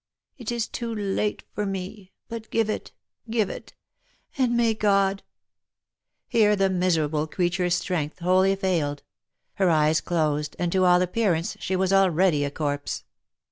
It is too late for me, but give it, give it, and may God —" Here the miserable creature's strength wholly failed ; her eyes closed, and to all appearance, she was already a corpse.